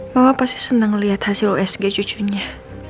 mama pasti seneng liat hasil usg cucunya